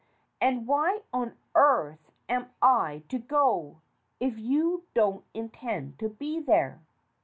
And why on earth am I to go if you don't intend to be there?"